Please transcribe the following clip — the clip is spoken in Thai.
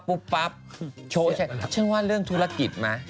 ปุ๊ปับโชว์ใช่ฉันว่าเรื่องธุรกิจมะ